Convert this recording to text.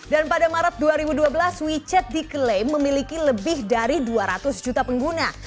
dan pada maret dua ribu dua belas wechat diklaim memiliki lebih dari dua ratus juta pengguna